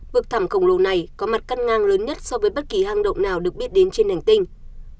vực thảm khổng lồ này có mặt căn ngang lớn nhất so với bất kỳ hang động nào được biết đến trên hành tinh